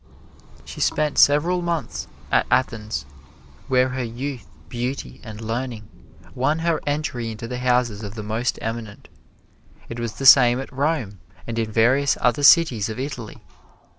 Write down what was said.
She spent several months at Athens, where her youth, beauty and learning won her entry into the houses of the most eminent. It was the same at Rome and in various other cities of Italy.